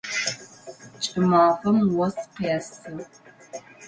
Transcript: Кӏымафэм ос къесы.